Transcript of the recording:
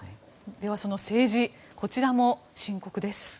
では、その政治こちらも深刻です。